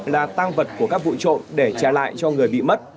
là tăng vật của các vụ trộm để trả lại cho người bị mất